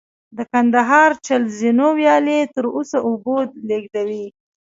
د کندهار چل زینو ویالې تر اوسه اوبه لېږدوي